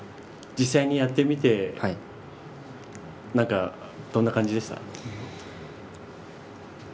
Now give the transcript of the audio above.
実際にやってみてどんな感じでした。